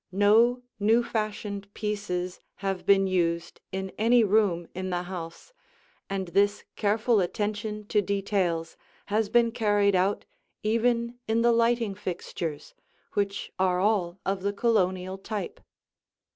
No new fashioned pieces have been used in any room in the house, and this careful attention to details has been carried out even in the lighting fixtures, which are all of the Colonial type.